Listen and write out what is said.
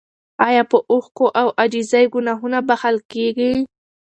ایا په اوښکو او عاجزۍ ګناهونه بخښل کیږي؟